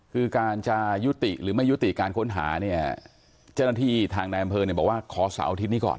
คือการจะยุติหรือไม่ยุติการค้นหาเนี่ยเจ้าหน้าที่ทางนายอำเภอเนี่ยบอกว่าขอเสาร์อาทิตย์นี้ก่อน